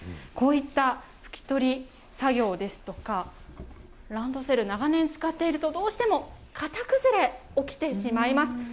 こういった拭き取り作業ですとか、ランドセル、長年使っていると、どうしても型崩れ、起きてしまいます。